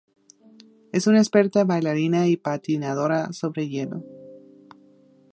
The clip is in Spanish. Es una experta bailarina y patinadora sobre hielo.